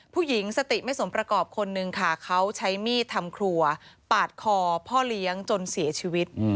ผู้หญิงสติไม่สมประกอบคนนึงค่ะเขาใช้มีดทำครัวปาดคอพ่อเลี้ยงจนเสียชีวิต